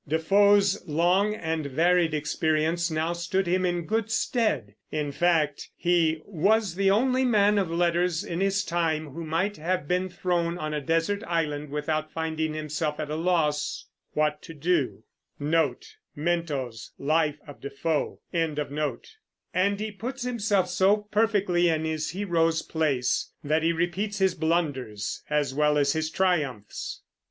Defoe's long and varied experience now stood him in good stead; in fact, he "was the only man of letters in his time who might have been thrown on a desert island without finding himself at a loss what to do;" and he puts himself so perfectly in his hero's place that he repeats his blunders as well as his triumphs.